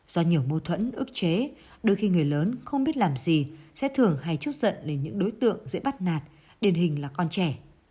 do nhiều mâu thuẫn ức chế đôi khi người lớn không biết làm gì sẽ thường hay chút giận lên những đối tượng dễ bắt nạt điền hình là con trẻ